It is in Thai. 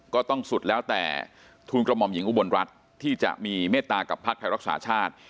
ก็ต้องสุดแล้วแต่ทุนกระหม่อมหญิงอุบลรัฐที่จะมีเมตตากับพักไทยรักษาชาติ